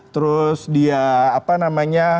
terus dia apa namanya